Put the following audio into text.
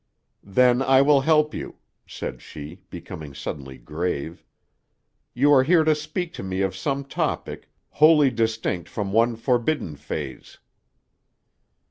"Then I will help you," said she, becoming suddenly grave. "You are here to speak to me of some topic, wholly distinct from one forbidden phase."